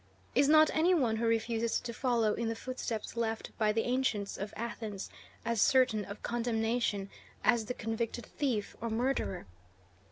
Is not any one who refuses to follow in the footsteps left by the ancients of Athens as certain of condemnation as the convicted thief or murderer?